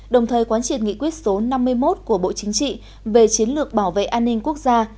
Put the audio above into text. đồng thời quán triệt nghị quyết số năm mươi một của bộ chính trị về chiến lược bảo vệ an ninh quốc gia